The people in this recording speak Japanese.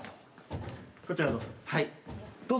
こちらへどうぞ。